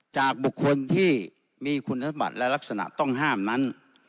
จากบุคคลที่มีคุณสมบัติและลักษณะต้องห้ามนั้น